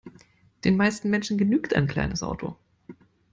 Den meisten Menschen genügt ein kleines Auto.